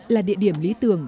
là địa điểm lý tưởng